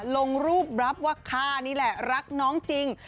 ลงรูปรับว่าข้านี่แหละรักน้องจริง